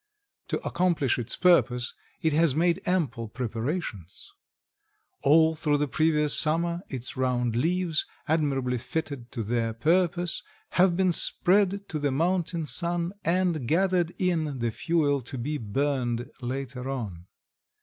To accomplish its purpose it has made ample preparations. All through the previous summer its round leaves, admirably fitted to their purpose, have been spread to the mountain sun and gathered in the fuel to be burned later on.